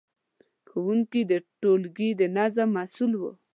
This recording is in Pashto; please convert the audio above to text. ښوونکي د ټولګي د نظم مسؤل وو.